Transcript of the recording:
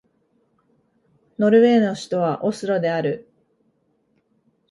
ノルウェーの首都はオスロである